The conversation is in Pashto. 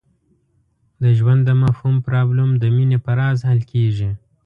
د ژوند د مفهوم پرابلم د مینې په راز حل کېږي.